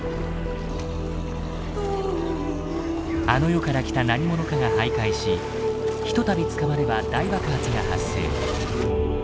あの世から来た何ものかが徘徊しひとたび捕まれば大爆発が発生。